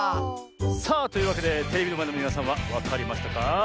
さあというわけでテレビのまえのみなさんはわかりましたか？